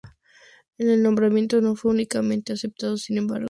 El nombramiento no fue unánimemente aceptado, sin embargo.